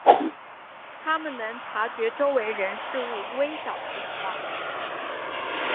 他们能察觉周围人事物微小的变化。